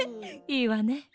いいわね。